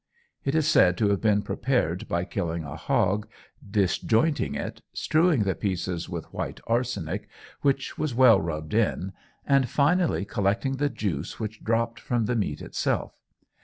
It is said to have been prepared by killing a hog, disjointing it, strewing the pieces with white arsenic, which was well rubbed in, and finally collecting the juice which dropped from the meat itself.